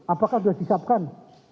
apakah sudah disiapkan